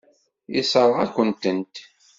Yessṛeɣ-akent-t.